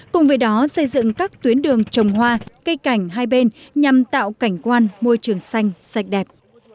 cùng với đó xây dựng các tuyến đường trồng hoa cây cảnh hai bên nhằm tạo cảnh quan môi trường xanh sạch đẹp